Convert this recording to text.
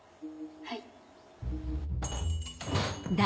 はい。